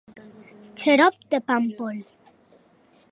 Xarop de pàmpol.